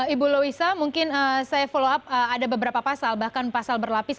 ibu louissa mungkin saya follow up ada beberapa pasal bahkan pasal berlapis